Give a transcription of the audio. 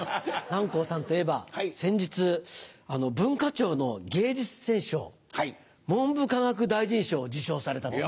南光さんといえば先日文化庁の芸術選奨文部科学大臣賞を受賞されたと。